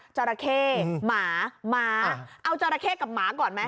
จราเข้หมาหมาเอาจราเข้กับหมาก่อนไหม